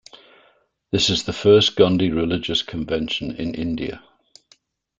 This is the first Gondi religious convention in India.